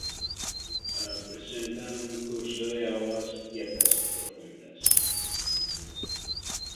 Presenta un curso de aguas quietas y profundas.